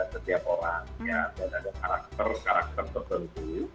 setiap orang dan ada karakter karakter tertentu